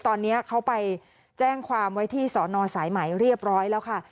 ตอนนี้เขาไปแจ้งความไว้ที่สอนอสายใหม่เรียบร้อยแล้วค่ะ